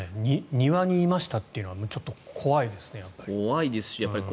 庭にいましたというのはちょっと怖いですね。